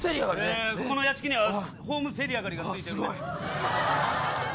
ここの屋敷にはホームせり上がりが付いているので。